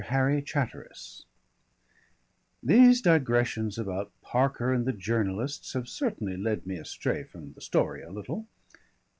HARRY CHATTERIS I These digressions about Parker and the journalists have certainly led me astray from the story a little.